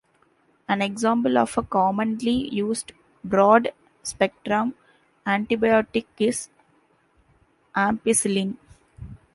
An example of a commonly used broad-spectrum antibiotic is ampicillin.